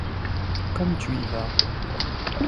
Comme tu y vas!